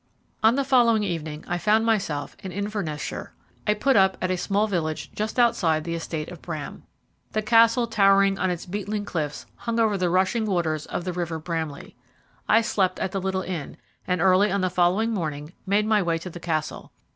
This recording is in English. On the following evening I found myself in Inverness shire. I put up at a small village just outside the estate of Bram. The castle towering on its beetling cliffs hung over the rushing waters of the River Bramley. I slept at the little inn, and early on the following morning made my way to the castle.